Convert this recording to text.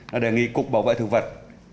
nó đề nghị cục bảo vệ thực vật